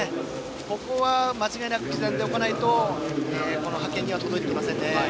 ここは間違いなく刻んでおかないと派遣には届いていきませんね。